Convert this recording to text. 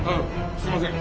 すいません。